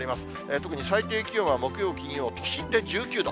特に最低気温は、木曜、金曜、都心で１９度。